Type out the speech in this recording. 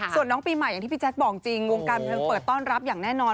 ส่วนน้องปีใหม่อย่างที่พี่แจ๊คบอกจริงวงการบันเทิงเปิดต้อนรับอย่างแน่นอน